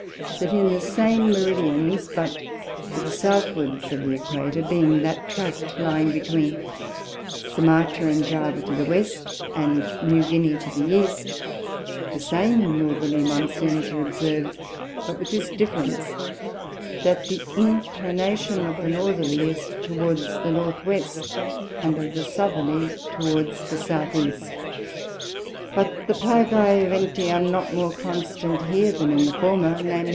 That in the same Meridians, but to the Southwards of the Æquator, being that Tract lying between Sumatra and Java to the West, and New Guinea to the East, the same Northerly Monsoons are observ'd, but with this difference, that the inclination of the Northerly is towards the N. West, and of the Southerly towards the S. E. but the plagæ venti are not more constant here than in the former, _viz.